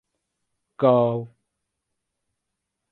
Gow.